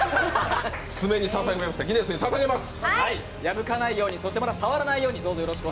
爪にささげます、ギネスにささげます。